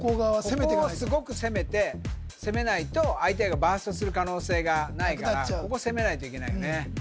ここをすごく攻めて攻めないと相手がバーストする可能性がないからここ攻めないといけないよね